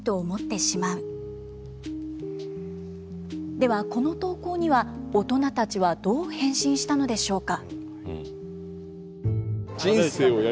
ではこの投稿には大人たちはどう返信したのでしょうか？